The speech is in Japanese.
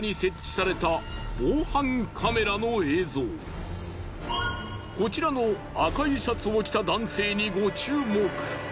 こちらはこちらの赤いシャツを着た男性にご注目。